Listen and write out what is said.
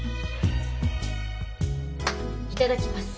いただきます。